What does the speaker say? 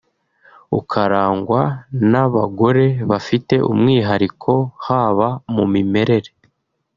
ukarangwa n’abagore bafite umwihariko haba mu mimerere